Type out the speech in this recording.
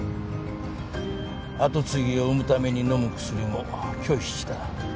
跡継ぎを産むために飲む薬も拒否した。